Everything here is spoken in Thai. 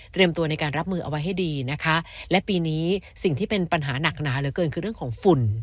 ตัวในการรับมือเอาไว้ให้ดีนะคะและปีนี้สิ่งที่เป็นปัญหาหนักหนาเหลือเกินคือเรื่องของฝุ่น